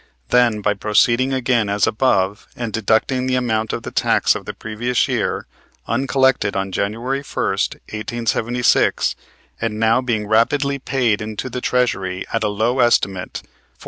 Then, by proceeding again as above, and deducting the amount of the tax of the previous year, uncollected on January first, 1876, and now being rapidly paid into the Treasury, at a low estimate, $460,000.